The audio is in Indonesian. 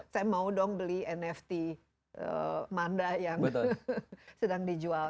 saya mau dong beli nft manda yang sedang dijual